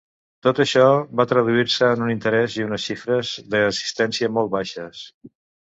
Tot això va traduir-se en un interés i unes xifres d'assistència molt baixes.